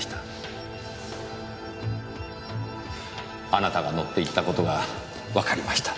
あなたが乗っていった事がわかりました。